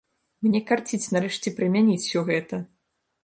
Мне карціць нарэшце прымяніць ўсё гэта!